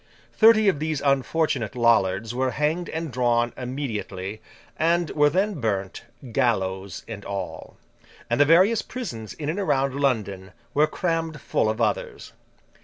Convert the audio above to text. Thirty of these unfortunate Lollards were hanged and drawn immediately, and were then burnt, gallows and all; and the various prisons in and around London were crammed full of others.